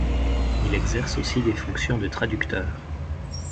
Il exerce aussi des fonctions de traducteur.